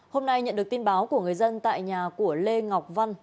hôm nay nhận được tin báo của người dân tại nhà của lê ngọc văn